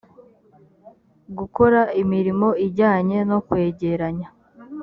gukora imirimo ijyanye no kwegeranya